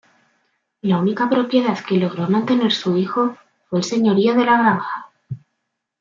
La única propiedad que logró mantener su hijo fue el señorío de La Granja.